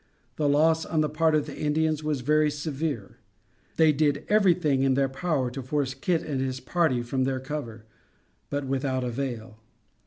The loss on the part of the Indians was very severe. They did everything in their power to force Kit and his party from their cover, but without avail.